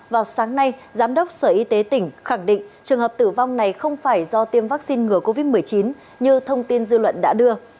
vào sáng nay giám đốc sở y tế tỉnh khẳng định trường hợp tử vong này không phải do tiêm vaccine ngừa covid một mươi chín như thông tin dư luận đã đưa